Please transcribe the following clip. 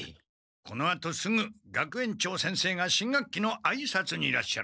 このあとすぐ学園長先生が新学期のあいさつにいらっしゃる。